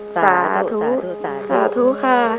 สาธุสาธุสาธุค่ะ